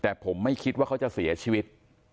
แต่ผมไม่คิดว่าเขาจะเสียชีวิต